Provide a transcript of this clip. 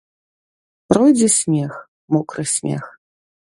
Пройдзе снег, мокры снег.